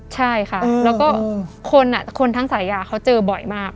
ใช่ค่ะแล้วก็คนทั้งสายยาเขาเจอบ่อยมาก